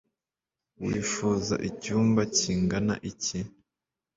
Wifuza icyumba kingana iki